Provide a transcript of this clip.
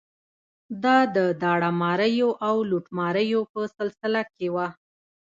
دا د داړه ماریو او لوټماریو په سلسله کې وه.